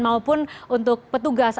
maupun untuk petugas